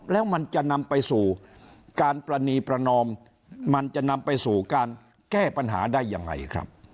แล้วมันจะนำไปสู่การปรณีประนอมมันจะนำไปสู่การแก้ปัญหาได้ยังไงครับ